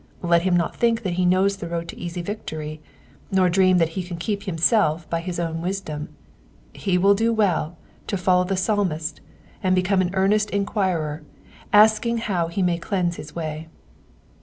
Let him not think that he knows the road to easy victory, nor dream that he can keep himself by his own wisdom ; he will do well to follow the psalmist, and become an earnest enquirer asking how he may cleanse his way.